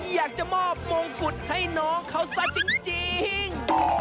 อยากจะมอบมงกุฎให้น้องเขาซะจริง